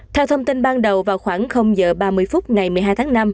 theo thông tin ban đầu vào khoảng h ba mươi phút ngày một mươi hai tháng năm